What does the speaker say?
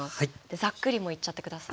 ザックリもういっちゃって下さい。